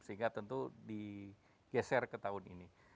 sehingga tentu digeser ke tahun ini